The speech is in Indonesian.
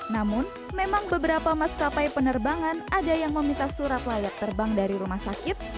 namun memang beberapa maskapai penerbangan ada yang meminta surat layak terbang dari rumah sakit